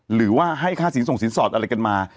หรือว่าให้ค่าสินส่งสินสอดอะไรกันมา